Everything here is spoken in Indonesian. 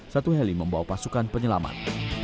satu heli membawa pasukan penyelamat